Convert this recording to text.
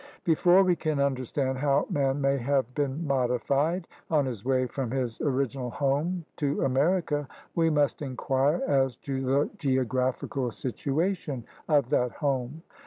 Before we can understand how man may have been modified on his way from his original home to America, we must inquire as to the geographical situation of that home.